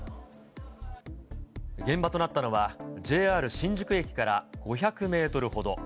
現場となったのは、ＪＲ新宿駅から５００メートルほど。